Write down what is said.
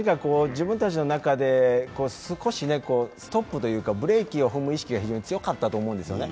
自分たちの中でストップというかブレーキを踏む意識が強かったと思うんですね。